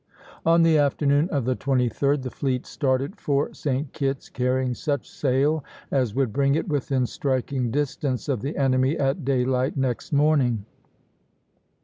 On the afternoon of the 23d the fleet started for St. Kitt's, carrying such sail as would bring it within striking distance of the enemy at daylight next morning.